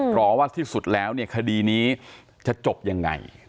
ว่าที่สุดแล้วเนี่ยคดีนี้จะจบยังไง